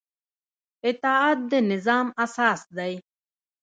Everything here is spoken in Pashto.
اطاعت د نظام اساس دی